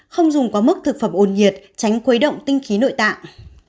không dùng có mức thực phẩm ồn nhiệt tránh quấy động tinh khí nội tạng